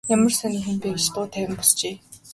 Ямар сонин хүн бэ гэж дуу тавин босжээ.